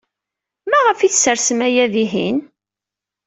Maɣef ay tessersem aya dihin?